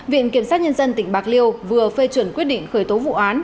viện kiểm sát nhân dân tỉnh bạc liêu vừa phê chuẩn quyết định khởi tố vụ án